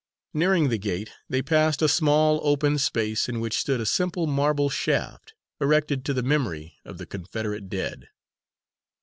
Nearing the gate, they passed a small open space in which stood a simple marble shaft, erected to the memory of the Confederate Dead.